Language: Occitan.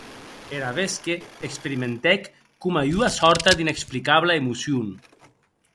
Er avesque experimentèc coma ua sòrta d’inexplicabla emocion.